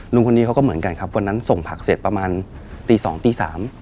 ลุงคนนี้เขาก็เหมือนกันครับวันนั้นส่งผักเสร็จประมาณตี๒ตี๓